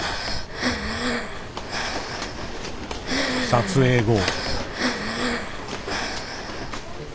撮影後。